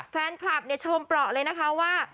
แฟนคลับเนี่ยชมเปราะเลยนะคะว่า